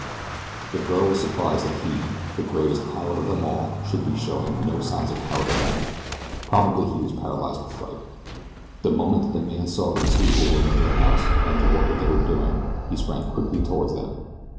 The girl was surprised that he, the greatest coward of them all, should be showing no signs of cowardice now probably he was paralyzed with fright. The moment that the man saw the two who were in the wheelhouse and the work that they were doing he sprang quickly toward them.